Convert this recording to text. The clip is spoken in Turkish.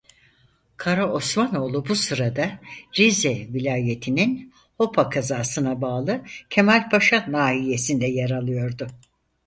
Karaosmanoğlu bu sırada Rize vilayetinin Hopa kazasına bağlı Kemalpaşa nahiyesinde yer alıyordu.